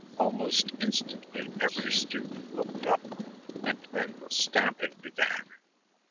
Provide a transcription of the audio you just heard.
Almost instantly every student looked up; and then the stamping began.